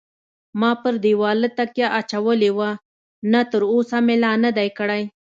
ما پر دېواله تکیه اچولې وه، نه تراوسه مې لا نه دی کړی.